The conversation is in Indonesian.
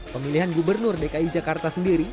pemilihan gubernur dki jakarta sendiri